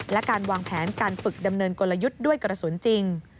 และการวางแผนการฝึกดำเนินกลยุทธ์ด้วยกระสุนจริง